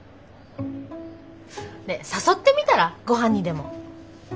ねえ誘ってみたらごはんにでも。